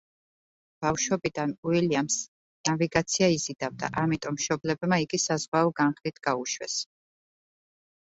ბავშვობიდან უილიამს ნავიგაცია იზიდავდა, ამიტომ მშობლებმა იგი საზღვაო განხრით გაუშვეს.